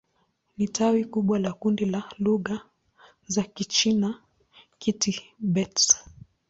Ni tawi kubwa la kundi la lugha za Kichina-Kitibet.